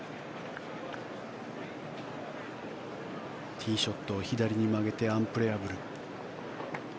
ティーショットを左に曲げてアンプレヤブル。